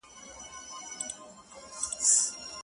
ولي هره ورځ اخته یو په غمونو٫